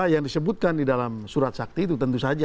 yang disebutkan di dalam surat sakti itu tentu saja